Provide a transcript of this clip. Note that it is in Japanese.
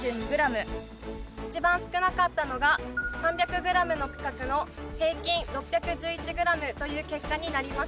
一番少なかったのが３００ｇの区画の平均６１１ｇという結果になりました。